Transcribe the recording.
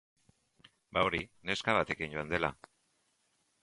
Ba hori, neska batekin joan dela.